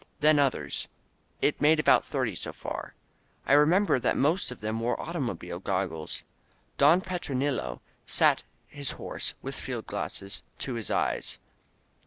Then others. It made about thirty so far. I remember that most of them wore automobile goggles. Don Petronilo sat his horse, with field glasses to his eyes.